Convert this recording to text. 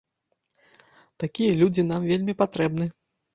Такія людзі нам вельмі патрэбны.